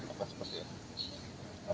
apakah seperti apa